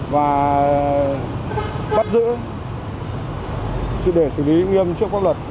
và bắt giữ để xử lý nghiêm trước pháp luật